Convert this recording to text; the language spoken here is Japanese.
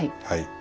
はい。